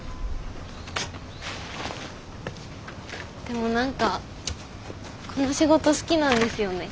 でも何かこの仕事好きなんですよね。